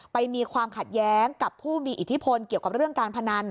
มีความขัดแย้งกับผู้มีอิทธิพลเกี่ยวกับเรื่องการพนัน